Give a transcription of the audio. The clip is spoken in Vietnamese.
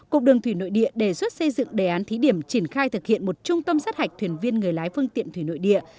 cục đường thủy nội địa đề xuất xây dựng đề án thí điểm triển khai thực hiện một trung tâm sát hạch thuyền viên người lái phương tiện thủy nội địa